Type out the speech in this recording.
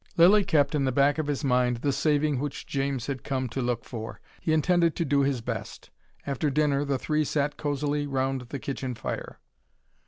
Lilly kept in the back of his mind the Saving which James had come to look for. He intended to do his best. After dinner the three sat cosily round the kitchen fire.